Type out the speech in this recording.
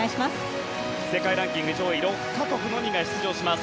世界ランキング上位６か国のみが出場します。